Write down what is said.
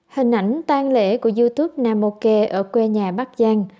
hình ảnh tan lễ của youtube nanoke ở quê nhà bắc giang